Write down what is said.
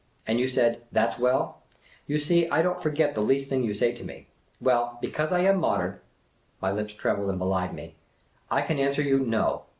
And ,you said, ' That 's well !'— You see, I don't forget the least things you say to me. Well, because I am modern "— my lips trembled and belied me —" I can answer you No.